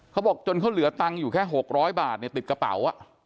เขาบอกจนเขาเหลือตังค์อยู่แค่๖๐๐บาทเนี่ยติดกระเป๋า